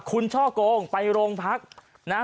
คุณช่อโกงไปโรงพักนะฮะ